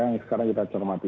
yang sekarang kita cermati